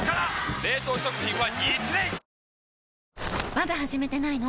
まだ始めてないの？